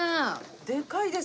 でかいです！